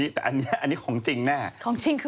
แต่อันนี้ของจริงแน่